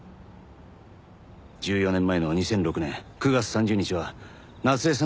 １４年前の２００６年９月３０日は夏恵さんの誕生日でした。